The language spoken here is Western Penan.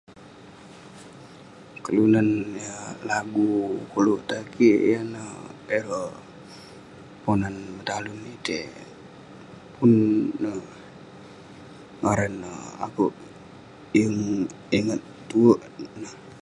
Kelunan yah lagu koluk tan kik yan neh ireh ponan metalun itei. Pun neh ngaran ne akeuk yeng ingat tuek neh.